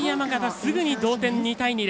すぐに同点、２対２。